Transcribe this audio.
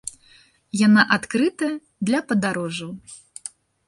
Яна адкрытая для падарожжаў.